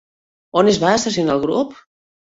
On es va estacionar el grup?